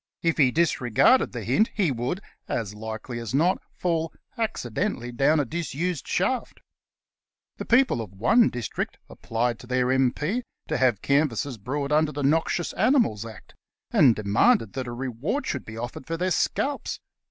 If he disregarded the hint he would, as likely as not, fall accidentally down a disused shaft. The people of one district applied to their M.P. to have canvassers brought under the "Noxious Animals Act," and demanded that a reward should be offered for their scalps.